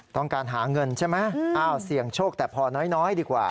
ต้องการหาเงินใช่ไหมอ้าวเสี่ยงโชคแต่พอน้อยดีกว่า